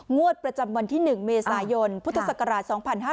งวดประจำวันที่๑เมษายนพุทธศักราช๒๕๕๙